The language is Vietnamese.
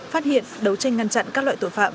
phát hiện đấu tranh ngăn chặn các loại tội phạm